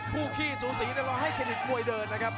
ผู้ขี้สูสีแล้วรอให้เครดิตมวยเดินนะครับ